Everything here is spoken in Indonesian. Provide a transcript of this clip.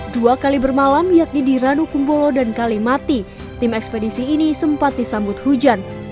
dua kali bermalam yakni di ranu kumbolo dan kalimati tim ekspedisi ini sempat disambut hujan